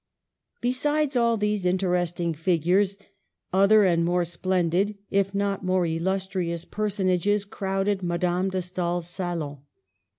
Besides all these interesting figures, other and more splendid, if not more illustrious, personages crowded Madame de Stael's salon.